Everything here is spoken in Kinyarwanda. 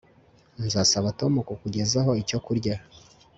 Nzasaba Tom kukugezaho icyo kurya